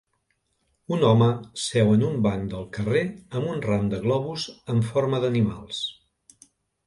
Un home seu en un banc del carrer amb un ram de globus amb forma d'animals.